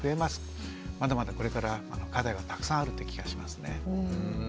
まだまだこれから課題はたくさんあるって気がしますね。